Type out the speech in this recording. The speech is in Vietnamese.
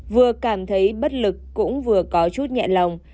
vừa cảm thấy bất lực cũng vừa có chút nhẹ lòng